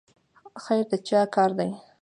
خیر د چا کار دی؟